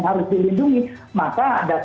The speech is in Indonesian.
lalu beri dukungan ke masyarakat